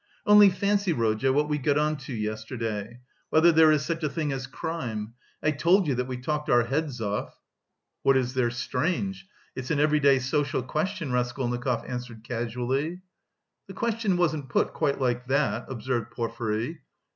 "Only fancy, Rodya, what we got on to yesterday. Whether there is such a thing as crime. I told you that we talked our heads off." "What is there strange? It's an everyday social question," Raskolnikov answered casually. "The question wasn't put quite like that," observed Porfiry.